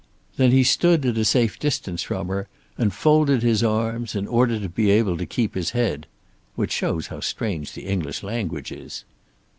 Then he stood at a safe distance from her, and folded his arms in order to be able to keep his head which shows how strange the English language is.